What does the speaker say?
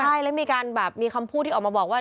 ใช่แล้วมีการแบบมีคำพูดที่ออกมาบอกว่า